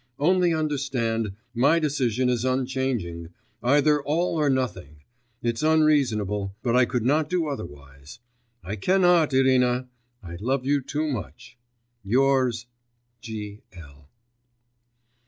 Only understand, my decision is unchanging; either all or nothing. It's unreasonable ... but I could not do otherwise I cannot, Irina! I love you too much. Yours, G. L.